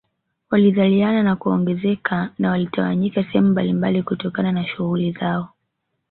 Walizaliana na kuongezeka na walitawanyika sehemu mbalimbali kutokana na shughuli zao